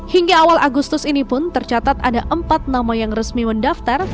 hingga awal agustus ini pun tercatat ada empat nama yang resmi mendaftar